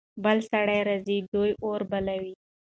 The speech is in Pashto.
بل سړی راځي. دوی اور بلوي.